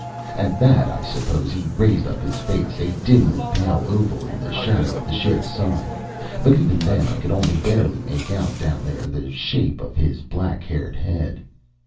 At that I suppose he raised up his face, a dimly pale oval in the shadow of the ship's side. But even then I could only barely make out down there the shape of his black haired head.